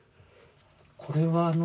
これはあの。